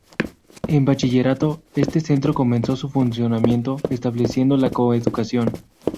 En Bachillerato, este Centro comenzó su funcionamiento estableciendo la coeducación.